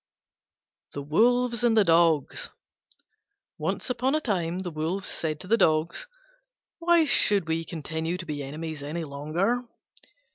THE WOLVES AND THE DOGS Once upon a time the Wolves said to the Dogs, "Why should we continue to be enemies any longer?